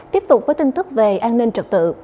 tiếp tục với tin tức về an ninh trật tự